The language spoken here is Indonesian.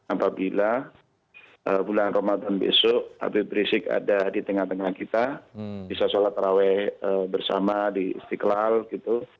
apabila bulan ramadan besok habib rizik ada di tengah tengah kita bisa sholat raweh bersama di istiqlal gitu